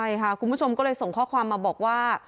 ใช่ค่ะคุณผู้ชมก็เลยส่งข้อความมาบอกว่า